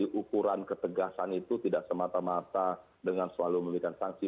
tapi ukuran ketegasan itu tidak semata mata dengan selalu memberikan sanksi